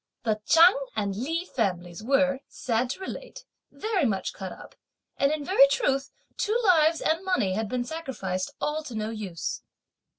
The Chang and Li families were, sad to relate, very much cut up, and, in very truth, two lives and money had been sacrificed all to no use.